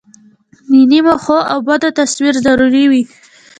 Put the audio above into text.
د نیمه ښو او بدو تصویر ضروري وي.